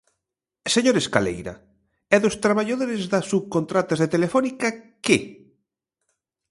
Señor Escaleira, e dos traballadores das subcontratas de Telefónica ¿que?